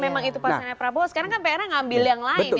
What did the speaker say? memang itu pasarnya prabowo